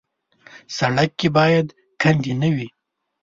سړک کې باید کندې نه وي.